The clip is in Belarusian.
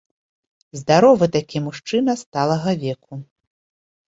Здаровы такі мужчына сталага веку.